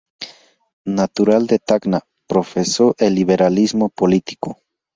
Natural de Tacna, profesó el liberalismo político.